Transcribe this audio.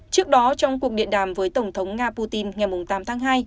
trước đó trong cuộc điện đàm với tổng thống nga putin ngày tám tháng hai